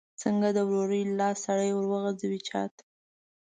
څنګه د ورورۍ لاس سړی وغځوي چاته؟